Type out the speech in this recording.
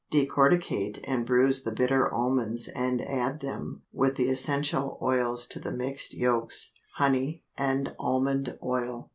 Decorticate and bruise the bitter almonds and add them with the essential oils to the mixed yolks, honey, and almond oil.